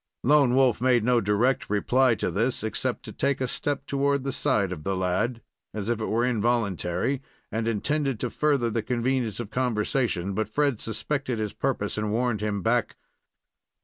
Lone Wolf made no direct reply to this, except to take a step toward the side of the lad, as if it were involuntary, and intended to further the convenience of conversation; but Fred suspected his purpose, and warned him back.